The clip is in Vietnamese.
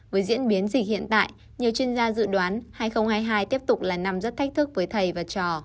với diễn biến dịch hiện tại nhiều chuyên gia dự đoán hai nghìn hai mươi hai tiếp tục là năm rất thách thức với thầy và trò